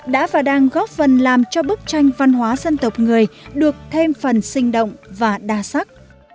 đã và đang góp phần làm cho bức tranh văn hóa dân tộc người được thêm phần sinh động và đa sắc